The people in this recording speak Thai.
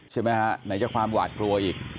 ใช่ไหมฮะไหนจะความหวาดกลัวอีก